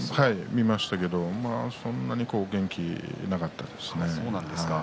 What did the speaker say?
見ましたけれども元気がなかったですね。